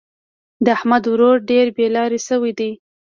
د احمد ورور ډېر بې لارې شوی دی.